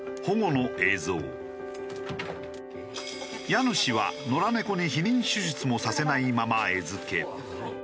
家主は野良猫に避妊手術もさせないまま餌付け。